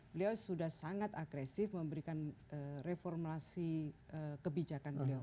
beliau sudah sangat agresif memberikan reformasi kebijakan beliau